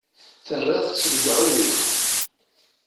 Terriḍ-tt deg uɛewwiq.